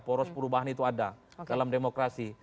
poros perubahan itu ada dalam demokrasi